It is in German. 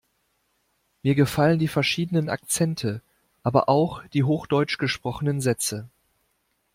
Mir gefallen die verschiedenen Akzente, aber auch die hochdeutsch gesprochenen Sätze.